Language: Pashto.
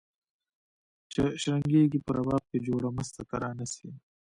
چي شرنګیږي په رباب کي جوړه مسته ترانه سي